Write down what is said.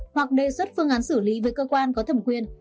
hoặc đề xuất phương án xử lý với cơ quan có thẩm quyền